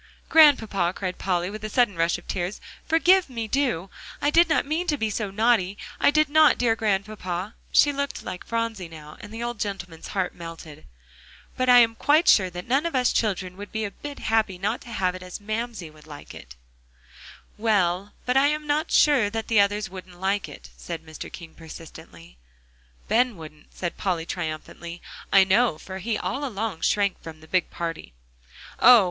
"Grandpapa," cried Polly, with a sudden rush of tears, "forgive me, do; I did not mean to be so naughty. I did not, dear Grandpapa." She looked like Phronsie now, and the old gentleman's heart melted. "But I am quite sure that none of us children would be a bit happy not to have it as Mamsie would like." "Well, but I am not sure that the others wouldn't like it," said Mr. King persistently. "Ben wouldn't," said Polly triumphantly, "I know, for he all along shrank from the big party." "Oh!